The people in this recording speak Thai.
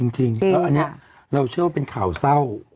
จริงเราเชื่อว่าเป็นข่าวเศร้า